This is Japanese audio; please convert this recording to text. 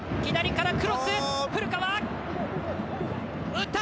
打った！